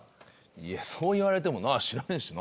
いやそう言われてもな知らねぇしな。